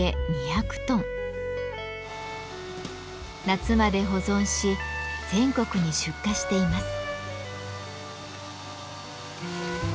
夏まで保存し全国に出荷しています。